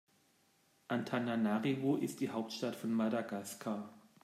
Antananarivo ist die Hauptstadt von Madagaskar.